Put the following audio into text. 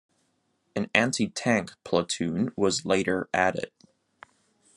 An Anti-Tank Platoon was later added.